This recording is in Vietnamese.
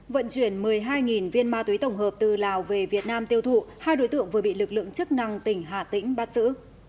vận chuyển một mươi hai viên ma túy tổng hợp từ lào về việt nam tiêu thụ hai đối tượng vừa bị lực lượng chức năng tỉnh hà tĩnh bắt giữ